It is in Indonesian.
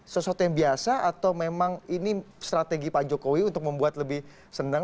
sesuatu yang biasa atau memang ini strategi pak jokowi untuk membuat lebih senang